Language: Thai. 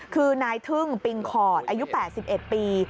คือนายทึ่งปิงคอร์ดอายุ๘๑ปี